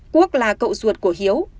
quốc là cậu ruột của hiếu